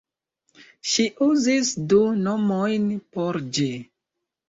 Ŝi uzis du nomojn por ĝi.